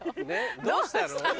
どうしたの？